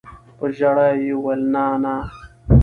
په ژړا يې وويل نانىه.